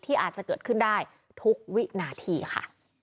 อาจจะเกิดขึ้นได้ทุกวินาทีค่ะ